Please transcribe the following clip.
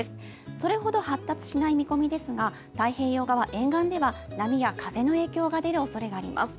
それほど発達しない見込みですが太平洋側沿岸では波や風の影響が出るおそれがあります。